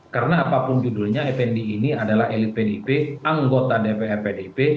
karena apapun judulnya fnd ini adalah elit pdip anggota dpr pdip